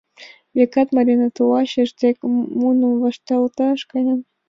Векат, Марина тулачыж дек муным вашталташ каен.